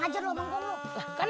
satu atap lima keluarga